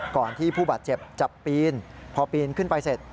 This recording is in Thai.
ที่ผู้บาดเจ็บจะปีนพอปีนขึ้นไปเสร็จ